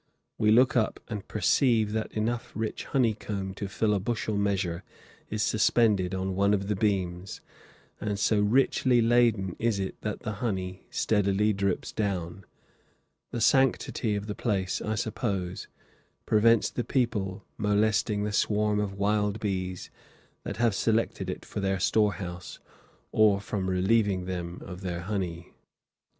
We look up and perceive that enough rich honey comb to fill a bushel measure is suspended on one of the beams, and so richly laden is it that the honey steadily drips down. The sanctity of the place, I suppose, prevents the people molesting the swarm of wild bees that have selected it for their storehouse, or from relieving them of their honey.